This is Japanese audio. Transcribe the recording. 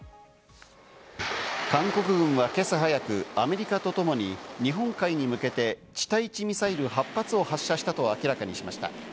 韓国軍は今朝早く、アメリカとともに日本海に向けて地対地ミサイル８発を発射したと明らかにしました。